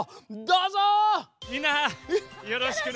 みんなよろしくね。